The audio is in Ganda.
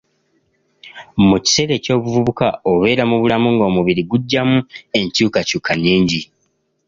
Mu kiseera eky'obuvubuka obeera mu bulamu ng'omubiri gujjamu enkyukakyuka nnyingi.